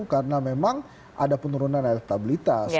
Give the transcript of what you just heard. karena memang ada penurunan elektabilitas